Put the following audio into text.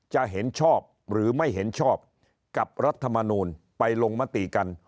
จะเห็นชอบหรือไม่เห็นชอบกับรัฐมนูลไปลงมติกัน